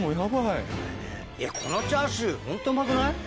このチャーシューホントうまくない？